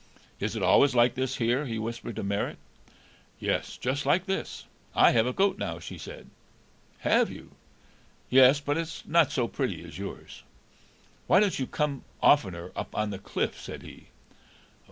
"Is it always like this here?" he whispered to Marit. "Yes, just like this; I have a goat now," she said. "Have you?" "Yes; but it is not so pretty as yours." "Why don't you come oftener up on the cliff?" said he.